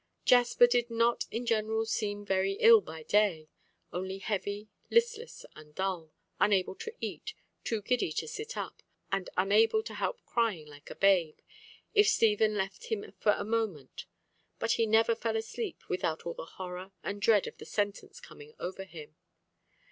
Jasper did not in general seem very ill by day, only heavy, listless and dull, unable to eat, too giddy to sit up, and unable to help crying like a babe, if Stephen left him for a moment; but he never fell asleep without all the horror and dread of the sentence coming over him.